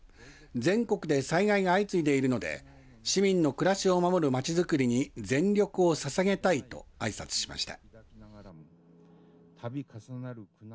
全国で災害が相次いでいるので市民の暮らしを守るまちづくりに全力をささげたいとあいさつしました。